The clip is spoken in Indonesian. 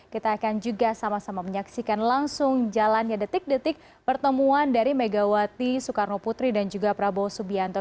kita akan juga sama sama menyaksikan langsung jalannya detik detik pertemuan dari megawati soekarno putri dan juga prabowo subianto